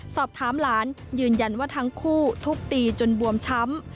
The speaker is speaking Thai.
สอบถามหลานยืนยันว่าทั้งคู่ทุบตีจนบวมช้ำ